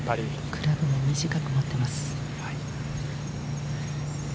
クラブも短く持っています。